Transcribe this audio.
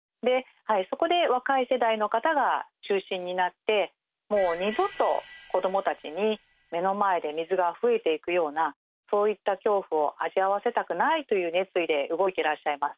そこで若い世代の方が中心になってもう二度と子供たちに目の前で水があふれていくようなそういった恐怖を味わわせたくないという熱意で動いてらっしゃいます。